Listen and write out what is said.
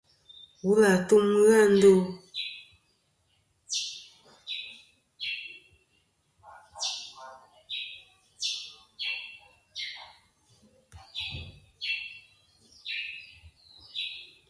Wul àtum ghɨ a ndo.